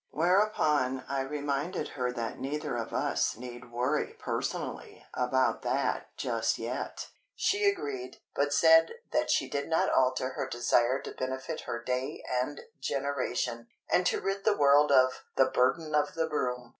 Whereupon I reminded her that neither of us need worry personally about that just yet! She agreed, but said that did not alter her desire to benefit her day and generation, and to rid the world of "the Burden of the Broom."